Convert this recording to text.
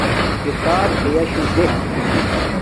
کھیتاپ ہیشو دے